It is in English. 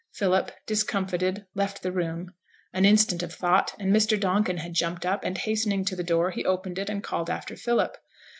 Philip, discomfited, left the room; an instant of thought and Mr Donkin had jumped up, and hastening to the door he opened it and called after Philip.